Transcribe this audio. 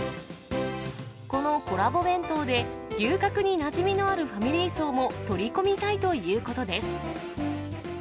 このコラボ弁当で、牛角になじみのあるファミリー層も取り込みたいということです。